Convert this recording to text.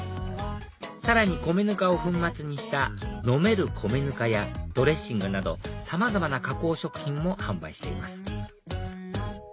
さらに米ぬかを粉末にした「飲める米糠」やドレッシングなどさまざまな加工食品も販売しています